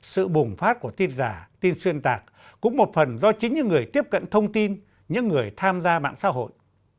sự bùng phát của tin giả tin xuyên tạc cũng một phần do chính những người tiếp cận thông tin những người tham gia mạng xã hội